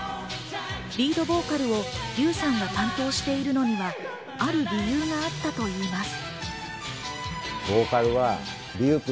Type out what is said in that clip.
リードボーカルを笠さんが担当しているのにはある理由があったといいます。